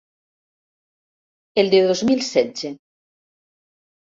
El de dos mil setze.